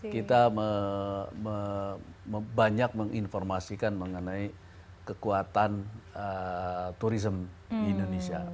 kita banyak menginformasikan mengenai kekuatan turism indonesia